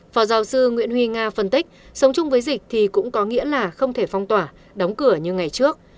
phó giáo sư nguyễn huy nga phân tích sống chung với dịch thì cũng có nghĩa là không thể phong tỏa đóng cửa như ngày trước